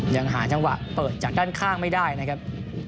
ยังหาจังหวะเปิดจากด้านข้างไม่ได้นะครับ